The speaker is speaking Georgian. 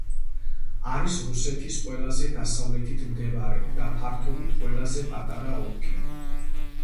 არის რუსეთის ყველაზე დასავლეთით მდებარე და ფართობით ყველაზე პატარა ოლქი.